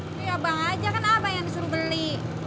nih abang aja kan apa yang disuruh beli